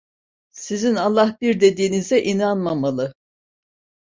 Sizin Allah bir dediğinize inanmamalı.